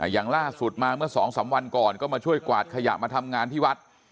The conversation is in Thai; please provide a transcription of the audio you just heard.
อย่างล่าสุดมาเมื่อ๒๓วันก่อนก็มาช่วยกวาดขยะมาทำงานที่วัด